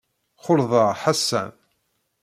Xulḍeɣ Ḥasan.